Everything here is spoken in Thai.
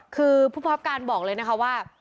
คือผู้ประคับการบอกเลยนะคะว่า